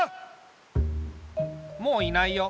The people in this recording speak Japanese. もういないよ。